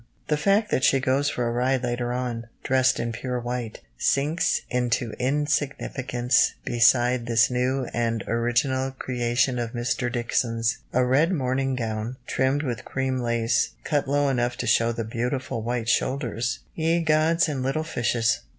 The fact that she goes for a ride later on, "dressed in pure white," sinks into insignificance beside this new and original creation of Mr. Dixon's. A red morning gown, trimmed with cream lace, cut low enough to show the "beautiful white shoulders" ye gods and little fishes!